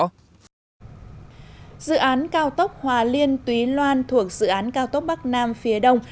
dự án cao tốc hòa liên túy loan thuộc dự án cao tốc bắc nam phía đông